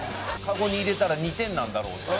籠に入れたら２点なんだろう。